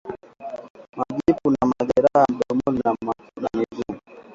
Majipu na majeraha mdomoni na miguuni